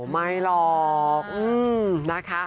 ไม่หรอกนะคะ